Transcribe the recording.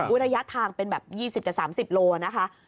อุณหยะทางเป็นแบบ๒๐๓๐โลกรัมนะคะ